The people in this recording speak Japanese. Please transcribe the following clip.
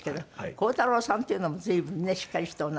鋼太郎さんっていうのも随分ねしっかりしたお名前で。